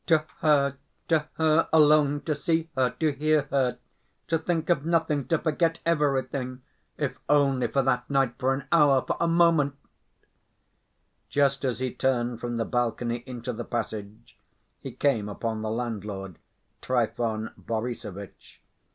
"To her, to her alone, to see her, to hear her, to think of nothing, to forget everything, if only for that night, for an hour, for a moment!" Just as he turned from the balcony into the passage, he came upon the landlord, Trifon Borissovitch.